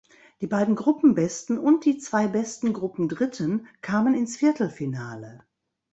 Die beiden Gruppenbesten und die zwei besten Gruppendritten kamen ins Viertelfinale.